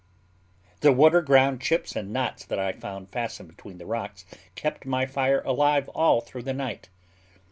The water ground chips and knots that I found fastened between the rocks kept my fire alive all through the night.